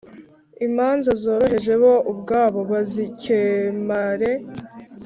imanza zoroheje bo ubwabo bazikemre